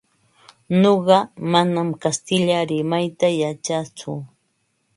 Nuqa manam kastilla rimayta yachatsu.